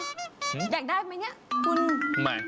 อ๊ะวะแดกได้มั้ยเนี่ย